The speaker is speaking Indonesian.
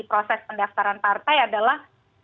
proses pendaftaran partai adalah